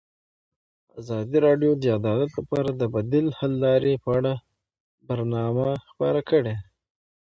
ازادي راډیو د عدالت لپاره د بدیل حل لارې په اړه برنامه خپاره کړې.